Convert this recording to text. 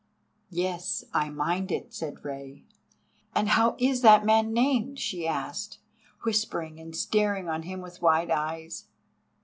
"Yes, I mind it," said Rei. "And how is that man named?" she asked, whispering and staring on him with wide eyes.